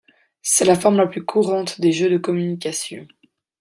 C'est la forme la plus courante des jeux de communication.